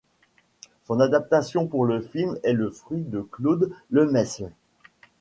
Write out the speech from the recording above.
Son adaptation pour le film est le fruit de Claude Lemesle.